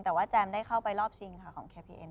แต่ว่าแจมได้เข้าไปรอบชิงค่ะของเคพีเอ็น